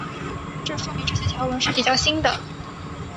这说明这些条纹是比较新的。